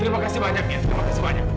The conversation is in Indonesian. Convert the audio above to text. terima kasih banyak ya terima kasih banyak